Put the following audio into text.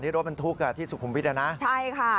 รถบรรทุกที่สุขุมวิทย์นะใช่ค่ะ